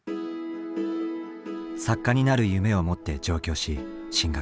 作家になる夢を持って上京し進学。